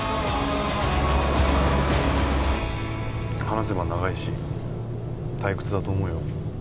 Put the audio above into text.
話せば長いし退屈だと思うよ。